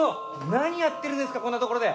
何やってるんですか、こんな所で。